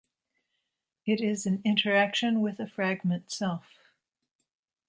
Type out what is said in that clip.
It is an interaction with a fragment self.